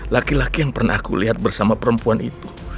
laki laki yang pernah aku lihat bersama perempuan itu